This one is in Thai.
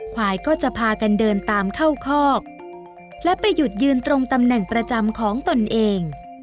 ควายก็จะพากันเดินตามเข้าคอกและไปหยุดยืนตรงตำแหน่งประจำของตนเอง